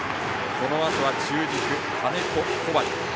このあとは中軸の金子、小針。